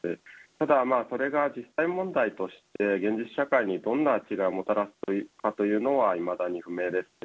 ただそれは実際問題として現実社会にどんなことをもたらすかというのはいまだに不明です。